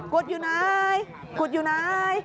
ขุดอยู่ไหนขุดอยู่ไหน